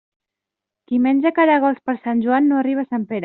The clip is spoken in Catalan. Qui menja caragols per Sant Joan no arriba a Sant Pere.